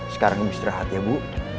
sekarang istirahat ya bu